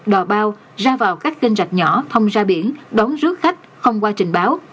đò bao ra vào các kênh rạch nhỏ thông ra biển đón rước khách không qua trình báo